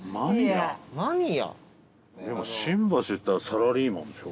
でも、新橋といったらサラリーマンでしょ？